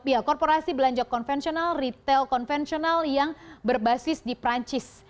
pihak korporasi belanja konvensional retail konvensional yang berbasis di perancis